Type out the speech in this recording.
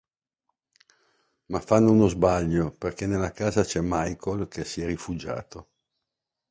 Ma fanno uno sbaglio perché nella casa c'è Michael che si è rifugiato.